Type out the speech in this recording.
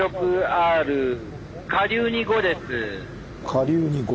下流に５？